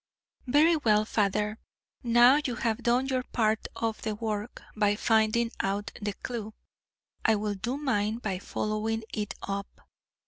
"Very well, father; now you have done your part of the work by finding out the clue, I will do mine by following it up.